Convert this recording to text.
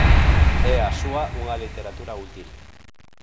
É a súa unha literatura útil.